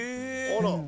「あら！」